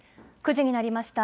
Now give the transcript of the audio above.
９時になりました。